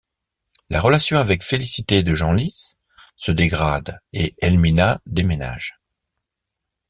La relation avec Félicité de Genlis se dégrade et Helmina déménage.